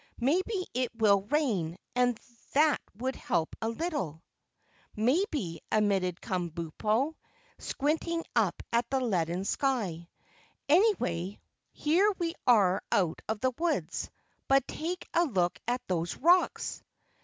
Maybe it will rain, and that would help a little." "Maybe," admitted Kabumpo, squinting up at the leaden sky. "Anyway, here we are out of the woods, but take a look at those rocks!"